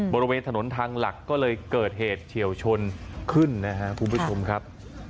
บริเวณถนนทางหลักก็เลยเกิดเหตุเฉียวชนขึ้นนะครับ